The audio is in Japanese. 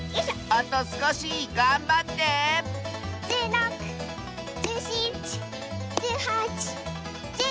あとすこしがんばって１６１７１８１９２０！